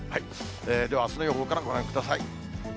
では、あすの予報からご覧ください。